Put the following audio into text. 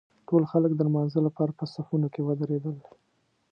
ټول خلک د لمانځه لپاره په صفونو کې ودرېدل.